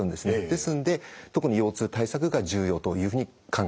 ですんで特に腰痛対策が重要というふうに考えております。